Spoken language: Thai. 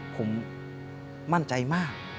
ผมมั่นใจมาก